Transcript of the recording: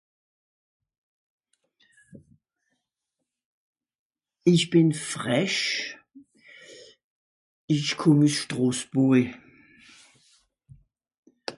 Ìch bìn frech. Ìch kùmm üs Strosburri.